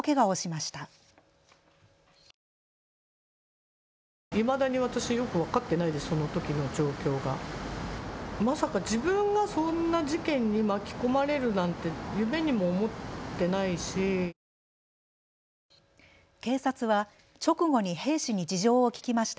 まさか自分がこんな事件に巻き込まれるなんて夢にも思ってないし。